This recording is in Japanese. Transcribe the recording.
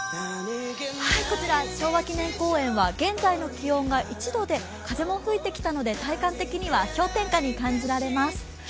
こちら昭和記念公園は現在の気温が１度で風も吹いてきたので体感的には氷点下に感じられます。